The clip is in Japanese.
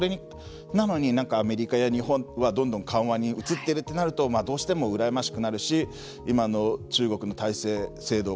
なのにアメリカや日本はどんどん緩和に移っているとなるとどうしてもうらやましくなるし今の中国の体制制度